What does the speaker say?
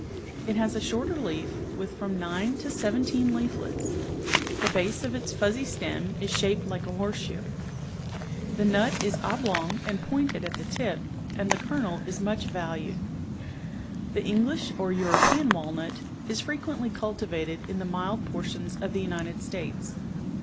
It has a shorter leaf, with from nine to seventeen leaflets ; the base of its fuzzy stem is shaped like a horseshoe. The nut is ob ^*^— r? lf"ig a^nd pointed at the tip, and the •"^i kernel is much valued. ? The English, ■—"'^. or E u r o ^J .^ V'"^/' nut, is fre f'* >^^^ qu e n tl y cultivated in the mild portions of the Uni ted States.